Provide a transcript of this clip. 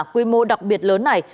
quy mô đặc biệt lớn này